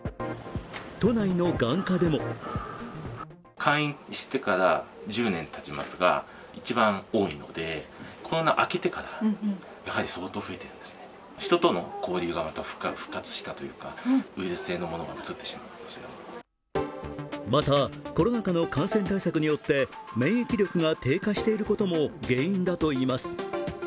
都内の眼科でもまた、コロナ禍の感染対策によって免疫力が低下していることも原因だといいます